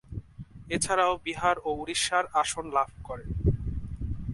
এছাড়াও বিহার ও উড়িষ্যার আসন লাভ করে।